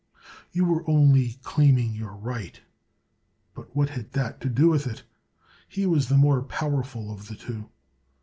'' You were only claiming your right, but what had that to do with it ? He was the more powerful of the two.